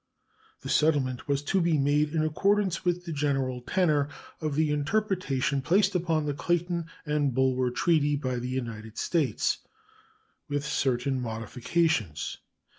The settlement was to be made in accordance with the general tenor of the interpretation placed upon the Clayton and Bulwer treaty by the United States, with certain modifications.